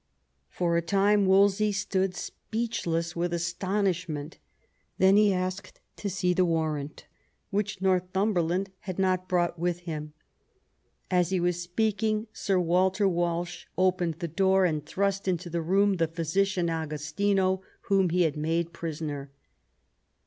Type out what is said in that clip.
" For a time Wolsey stood speechless with astonishment, then he asked to see the warrant, which Northumberland had not brought with him. As he was speaking Sir Walter Walshe opened the door and thrust into the room the physician Agostino, whom he had made prisoner.